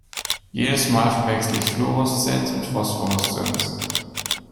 Jedes Mal verwechsle ich Fluoreszenz mit Phosphoreszenz.